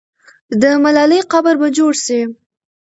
د ملالۍ قبر به جوړ سي.